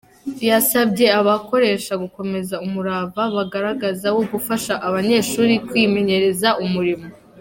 Yasabye abakoresha gukomeza umurava bagaragaza wo gufasha abanyeshuri kwimenyereza umurimo.